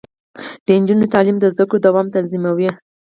د نجونو تعلیم د زدکړو دوام تضمینوي.